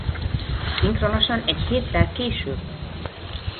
Szinkronosan egy héttel később!